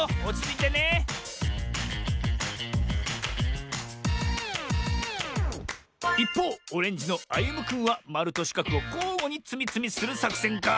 いっぽうオレンジのあゆむくんはまるとしかくをこうごにつみつみするさくせんか？